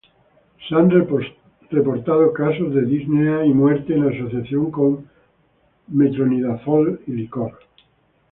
Se han reportado casos de disnea y muerte en asociación con metronidazol y licor.